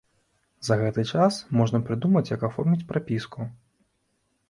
За гэты час можна прыдумаць, як аформіць прапіску.